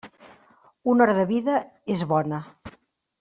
Una hora de vida, és bona.